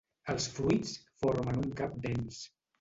Els fruits formen un cap dens.